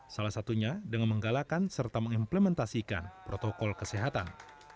salah satunya dengan menggalakan serta mengimplementasikan protokol kesehatan